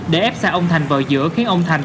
để ép xa ông thành vào giữa khiến ông thành